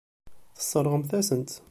Tesseṛɣemt-asent-t.